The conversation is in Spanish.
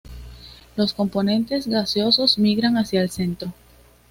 Los componentes gaseosos migran hacia el centro.